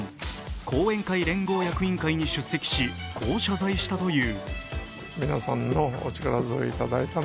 後援会連合役員会に出席し、こう謝罪したという。